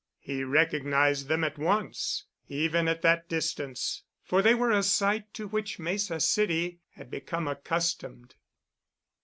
He recognized them at once, even at that distance, for they were a sight to which Mesa City had become accustomed.